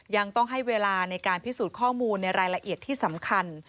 ยังต้องให้เวลาในการพิสูจน์ข้อมูลในรายละเอียดที่สำคัญ